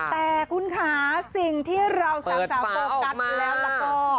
แต่คุณคะสิ่งที่เราสามารถปรบกันแล้วละก็